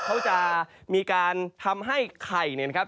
เขาจะมีการทำให้ไข่เนี่ยนะครับ